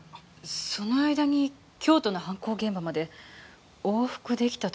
その間に京都の犯行現場まで往復出来たとすれば。